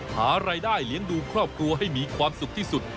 หารายได้เลี้ยงดูครอบครัวให้มีความสุขที่สุด